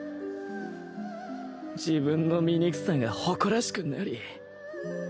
自分の醜さが誇らしくなり